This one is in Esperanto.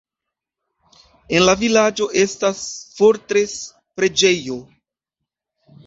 En la vilaĝo estas fortres-preĝejo.